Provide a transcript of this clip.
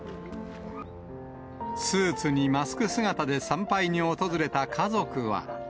スーツにマスク姿で参拝に訪れた家族は。